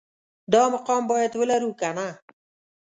دا مقام باید ولرو که نه